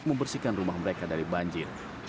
membersihkan rumah mereka dari banjir